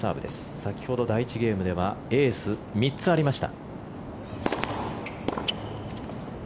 先ほど第１ゲームではエース、３つありました。